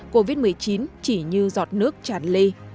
covid một mươi chín chỉ như giọt nước chản ly